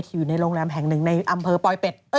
ทิวอยู่ในโรงแรมแห่งนึงแล้ว